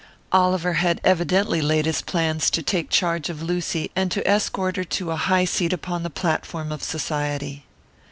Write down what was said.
Oliver had evidently laid his plans to take charge of Lucy, and to escort her to a high seat upon the platform of Society.